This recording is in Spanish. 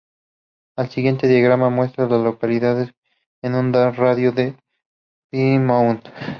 El siguiente diagrama muestra a las localidades en un radio de de Plymouth.